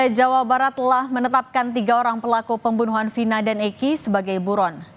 polda jawa barat telah menetapkan tiga orang pelaku pembunuhan vina dan eki sebagai buron